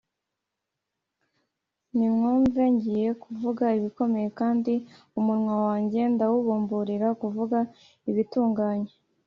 nimwumve ngiye kuvuga ibikomeye, kandi umunwa wanjye ndawubumburira kuvuga ibitunganye